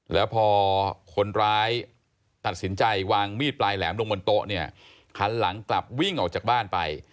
แล้วพอคนร้ายตัดสินใจวางมีดปลายแหลมลงบนโต๊ะเนี่ยหันหลังกลับวิ่งออกจากบ้านไป